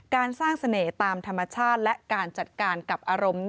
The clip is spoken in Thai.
การสร้างเสน่ห์ตามธรรมชาติและการจัดการกับอารมณ์